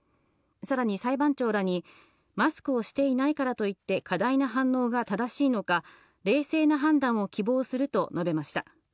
さらに裁判長らに、マスクをしていないからといって、過大な反応が正しいのか冷静な判断を希望すると述べました。